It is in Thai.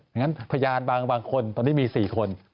อย่างนั้นพยานบางคนตอนนี้มี๔คน